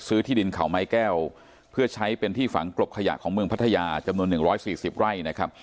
ที่ดินเขาไม้แก้วเพื่อใช้เป็นที่ฝังกลบขยะของเมืองพัทยาจำนวน๑๔๐ไร่นะครับ